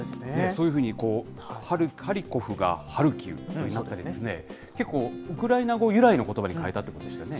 そういうふうに、ハリコフがハルキウになったり、結構ウクライナ語由来のことばに変えたってことですよね。